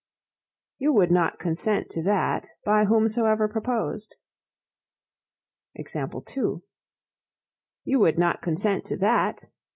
You would not consent to that, by whomsoever proposed. You would not consent to that?